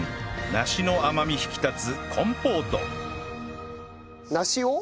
梨の甘み引き立つコンポート梨を？